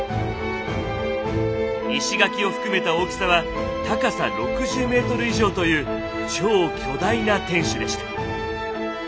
石垣を含めた大きさは高さ６０ｍ以上という超巨大な天守でした。